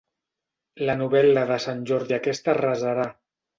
La novel·la de Sant Jordi aquesta arrasarà.